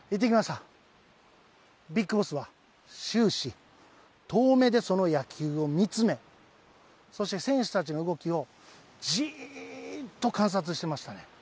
ビッグボスは終始、遠目でその野球を見つめ、そして選手たちの動きを、じーっと観察していましたね。